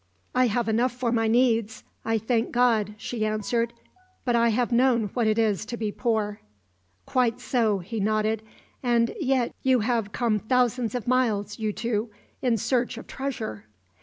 "I have enough for my needs, I thank God," she answered. "But I have known what it is to be poor." "Quite so," he nodded. "And yet you have come thousands of miles, you two, in search of treasure!"